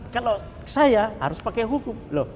kalau saya harus pakai hukum loh